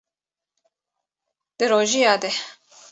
Di rojiya de